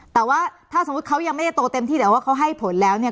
แต่ว่าถ้าสมมุติเขายังไม่ได้โตเต็มที่แต่ว่าเขาให้ผลแล้วเนี่ย